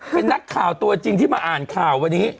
เป็นนักข่าวตัวจริงที่มาอ่านข่าววันนี้